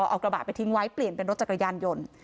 เอากระบะไปทิ้งไว้เปลี่ยนเป็นรถจักรยานยนต์